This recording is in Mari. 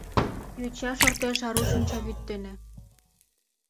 Йоча шортеш ару шинчавӱд дене.